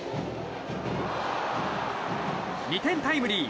２点タイムリー。